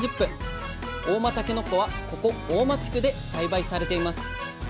合馬たけのこはここ合馬地区で栽培されています